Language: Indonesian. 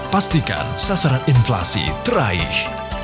pastikan sasaran inflasi teraih